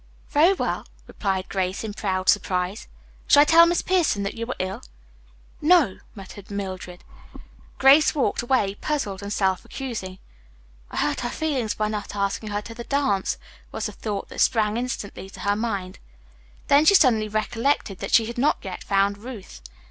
"Very well," replied Grace, in proud surprise. "Shall I tell Miss Pierson that you are ill?" "No," muttered Mildred. Grace walked away, puzzled and self accusing. "I hurt her feelings by not asking her to dance," was the thought that sprang instantly to her mind. Then she suddenly recollected that she had not yet found Ruth.